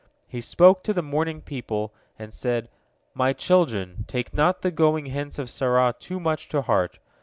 He spoke to the mourning people, and said: "My children, take not the going hence of Sarah too much to heart.